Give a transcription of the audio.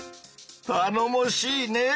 たのもしいねぇ！